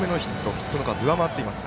ヒットの数、上回っています。